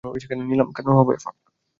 সেখানে নিলাম কেন হবে।